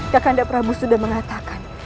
kakanda prabu sudah mengatakan